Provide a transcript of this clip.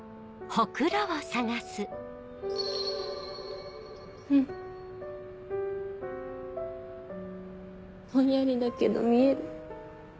ぼんやりだけど見える。